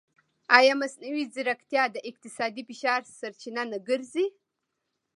ایا مصنوعي ځیرکتیا د اقتصادي فشار سرچینه نه ګرځي؟